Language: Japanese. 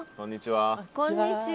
こんにちは。